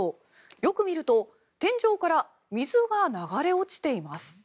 よく見ると天井から水が流れ落ちています。